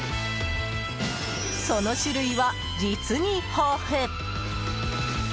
その種類は実に豊富！